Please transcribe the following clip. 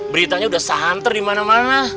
beritanya udah santer dimana mana